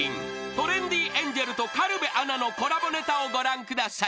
トレンディエンジェルと軽部アナのコラボネタをご覧ください］